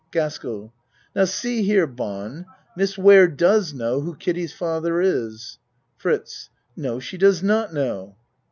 GASKELL Now see here, Bahn, Miss Ware does know who Kiddie's father is. FRITZ No she does not know.